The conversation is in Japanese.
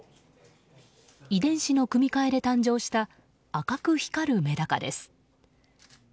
遺伝子の組み換えで誕生した赤く光るメダカです。